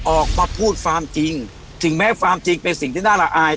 ออกมาพูดความจริงถึงแม้ความจริงเป็นสิ่งที่น่าละอาย